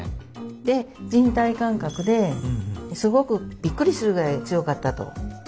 で人体感覚ですごくびっくりするぐらい強かったと。